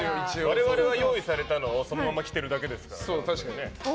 我々は用意されたのをそのまま着てるだけですよ。